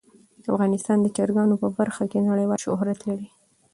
افغانستان د چرګانو په برخه کې نړیوال شهرت لري.